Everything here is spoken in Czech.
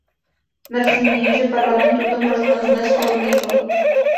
Mrzí mě, že Parlament tuto možnost dnes odmítl.